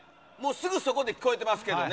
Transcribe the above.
すぐそこで聞こえてますけどね。